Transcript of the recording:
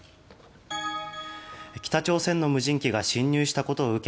北朝鮮の無人機が侵入したことを受け